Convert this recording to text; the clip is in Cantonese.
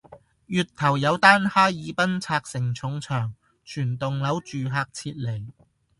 月頭有單哈爾濱拆承重牆全棟樓住客撤離